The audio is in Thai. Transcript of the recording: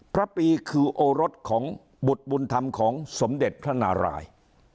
พระปีคือโอรสของบุตรบุญธรรมของสมเด็จพระนาราย